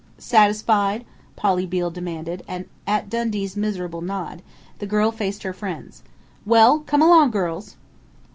"Satisfied?" Polly Beale demanded, and at Dundee's miserable nod, the girl faced her friends: "Well, come along, girls!"